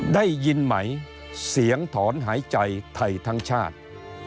ได้ยินไหมเสียงถอนหายใจไทยทั้งชาติ